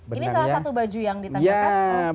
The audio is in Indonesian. ini salah satu baju yang ditanyakan